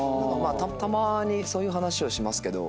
たまーにそういう話をしますけど。